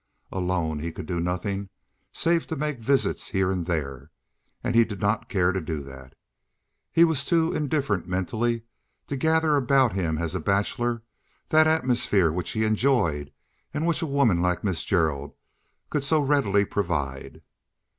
Alone he could do nothing save to make visits here and there, and he did not care to do that. He was too indifferent mentally to gather about him as a bachelor that atmosphere which he enjoyed and which a woman like Mrs. Gerald could so readily provide.